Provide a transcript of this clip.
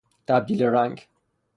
تبدیل رنگ